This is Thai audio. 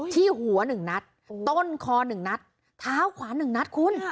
ที่หัวต้นคอ๑นัดท้าวคว้า๑นัดคุณ